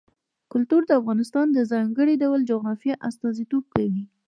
کلتور د افغانستان د ځانګړي ډول جغرافیه استازیتوب کوي.